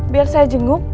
biar saya jenguk